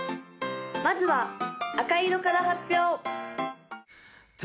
まずは赤色から発表！